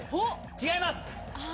違います！